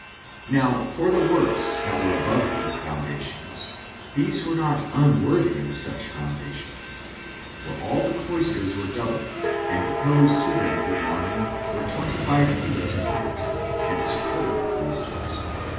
Now for the works that were above these foundations, these were not unworthy of such foundations; for all the cloisters were double, and the pillars to them belonging were twenty five cubits in height, and supported the cloisters.